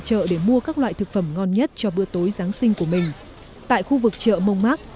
chợ để mua các loại thực phẩm ngon nhất cho bữa tối giáng sinh của mình tại khu vực chợ mông mát